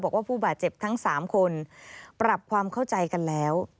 ผู้บาดเจ็บทั้ง๓คนปรับความเข้าใจกันแล้ว